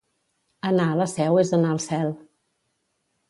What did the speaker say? Anar a la Seu és anar al cel.